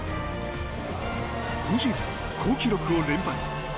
今シーズン好記録を連発。